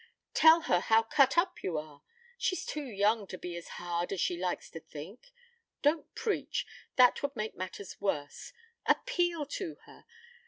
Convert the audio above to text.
Tell her how cut up you are. She's too young to be as hard as she likes to think. Don't preach. That would make matters worse. Appeal to her.